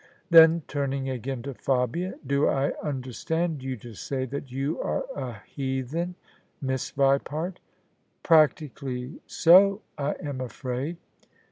Then turning again to Fabia, " Do I understand you to say that you are a heathen, Miss Vipart? "Practically so, I am afraid."